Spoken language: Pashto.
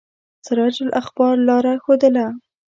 سراج الاخبار لاره ښودله.